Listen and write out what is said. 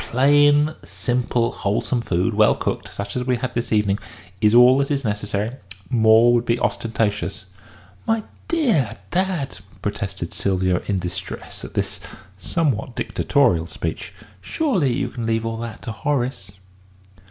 Plain, simple, wholesome food, well cooked, such as we have had this evening, is all that is necessary. More would be ostentatious." "My dear dad!" protested Sylvia, in distress at this somewhat dictatorial speech. "Surely you can leave all that to Horace!"